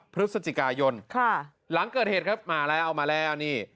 พฤศจิกายนหลังเกิดเหตุครับมาแล้วเอามาแล้วนี่